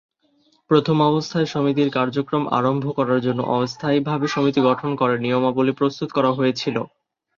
প্রথম অবস্থায় সমিতির কার্যক্রম আরম্ভ করার জন্য অস্থায়ীভাবে সমিতি গঠন করে নিয়মাবলী প্রস্তুত করা হয়েছিল।